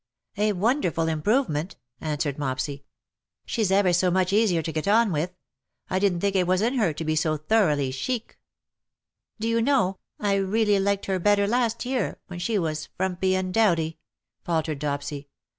^'A wonderful improvement/^ answered Mopsy. " She^s ever so much easier to get on with. I didn^t think it was in her to be so thoroughly chic. "" Do you know, I really liked her better last year, when she was frumpy and dowdy /^ faltered Dopsy.